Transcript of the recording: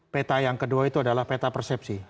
peta yang kedua itu adalah peta persepsi